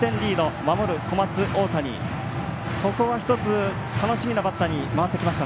ここは楽しみなバッターに回ってきました。